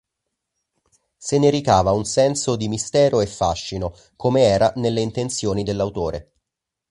Se ne ricava un senso di mistero e fascino, come era nelle intenzioni dell'autore.